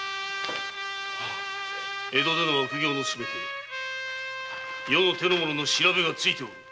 江戸での悪行のすべて余の手の者の調べがついておる。